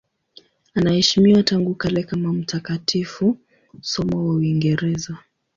Anaheshimiwa tangu kale kama mtakatifu, somo wa Uingereza.